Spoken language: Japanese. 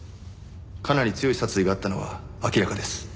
かなり強い殺意があったのは明らかです。